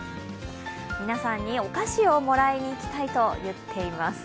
皆さんにお菓子をもらいにいきたいと言っています。